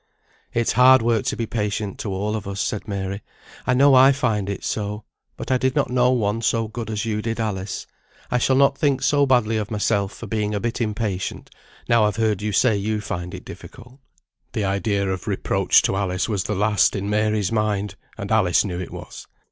"It's hard work to be patient to all of us," said Mary; "I know I find it so, but I did not know one so good as you did, Alice; I shall not think so badly of myself for being a bit impatient, now I've heard you say you find it difficult." The idea of reproach to Alice was the last in Mary's mind; and Alice knew it was.